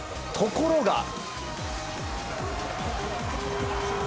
ところが。